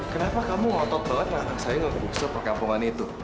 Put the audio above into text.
kenapa kamu mau top banget ngalahin saya ngegusur perkampungan itu